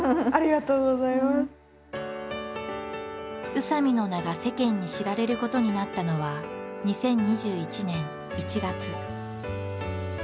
宇佐見の名が世間に知られることになったのは２０２１年１月。